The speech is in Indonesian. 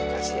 ya kasih ya